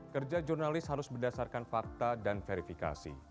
kerja jurnalis harus berdasarkan fakta dan verifikasi